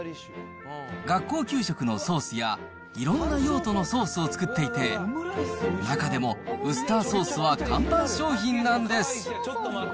学校給食のソースやいろんな用途のソースを作っていて、中でもウスターソースは看板商品なんです。